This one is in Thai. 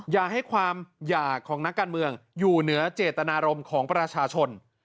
อย่าให้ความหย่าของนักการเมืองอยู่เหนือเจตนารมณ์ของประชาชน